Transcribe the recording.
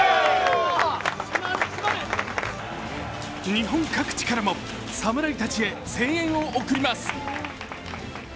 日本各地からも侍たちへ声援を送ります。